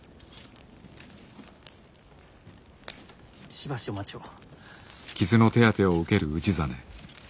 しばしお待ちを。